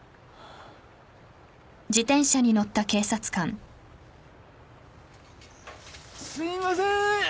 あっすいません